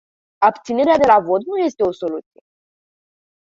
Abținerea de la vot nu este o soluție.